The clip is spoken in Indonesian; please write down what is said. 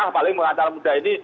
ah paling mau antar muda ini